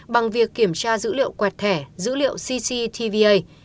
bằng việc kiểm tra dữ liệu quẹt thẻ dữ liệu cctva